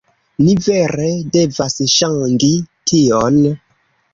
Ni vere devas ŝangi tion